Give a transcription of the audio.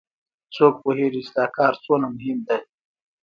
څوک پوهیږي چې دا کار څومره مهم ده